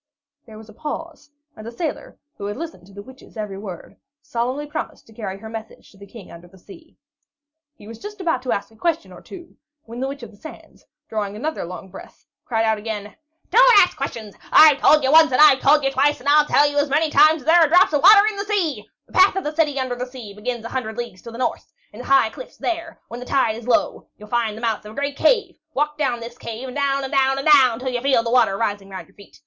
There was a pause, and the sailor, who had listened to the Witch's every word, solemnly promised to carry her message to the King under the Sea. He was just about to ask a question or two, when the Witch of the Sands, drawing another long, long breath, cried out again: "Don't ask questions! I've told you once and I've told you twice, and I'll tell you as many times as there are drops of water in the sea! The path to the City under the Sea begins a hundred leagues to the north; in the high cliffs there, when the tide is low, you'll find the mouth of a great cave; walk down this cave, and down and down and down, till you feel water rising round your feet.